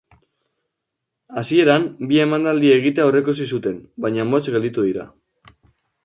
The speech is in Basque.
Hasieran bi emanaldi egitea aurreikusi zuten baina motz gelditu dira.